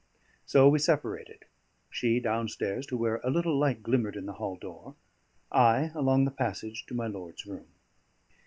So we separated she downstairs to where a little light glimmered in the hall door, I along the passage to my lord's room.